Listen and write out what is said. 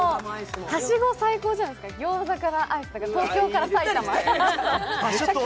はしご最高じゃないですか、餃子からアイスとか、東京から埼玉。